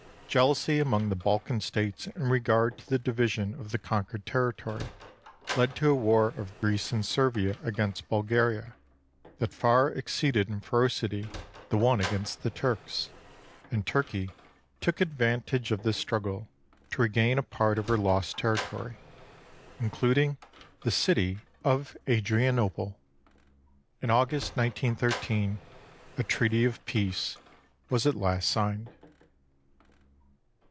Jealousy among the Balkan States in regard to the division of the conquered territory led to a war of Greece and Servia against Bulgaria that far ex ceeded in ferocity the one against the Turks, and Turkey took advantage of this struggle to regain a part of her lost territory, including the city of Adrianople. In August, 1913, a treaty of peace was at last signed.